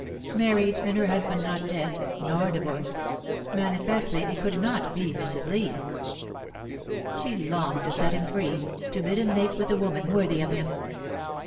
Married, and her husband not dead, nor divorced manifestly it could not be Mrs. Lee. She longed to set him free, to bid him mate with a woman worthy of him.